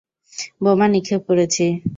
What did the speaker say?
বোমা নিক্ষেপ করেছি।